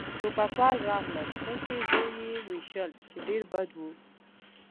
ټوپکوال راغلل پسې و يې ویشتل، چې ډېر بد و.